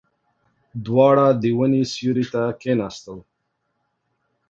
دواړه د ونې سيوري ته کېناستل.